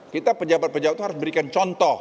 kita pejabat pejabat itu harus memberikan contoh